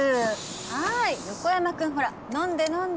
はい横山君ほら飲んで飲んで。